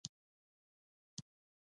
آزاد تجارت مهم دی ځکه چې نوښت هڅوي.